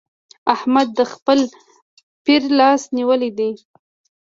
احمد د خپل پير لاس نيولی دی.